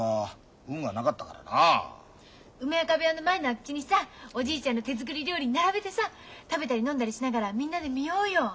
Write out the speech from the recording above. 梅若部屋の前の空き地にさおじいちゃんの手作り料理並べてさ食べたり飲んだりしながらみんなで見ようよ。